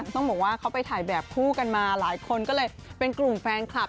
ต้องบอกว่าเขาไปถ่ายแบบคู่กันมาหลายคนก็เลยเป็นกลุ่มแฟนคลับ